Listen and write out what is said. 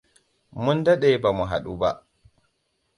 Mun daɗe bamu haɗu ba.